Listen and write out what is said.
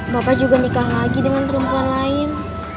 bapak juga nikah lagi dengan perempuan lain